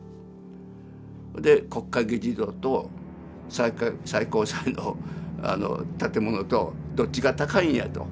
で国会議事堂と最高裁の建物とどっちが高いんやと。